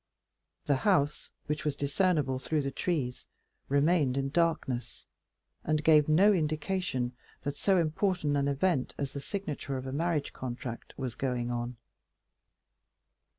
The house, which was discernible through the trees, remained in darkness, and gave no indication that so important an event as the signature of a marriage contract was going on.